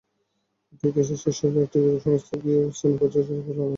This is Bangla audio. প্রত্যেক দেশের শীর্ষস্থানীয় একটি জরিপ সংস্থাকে দিয়ে স্থানীয় পর্যায়ের জরিপ চালানো হয়েছে।